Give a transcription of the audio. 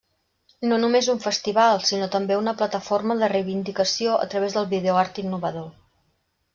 No només un festival, sinó també una plataforma de reivindicació a través del videoart innovador.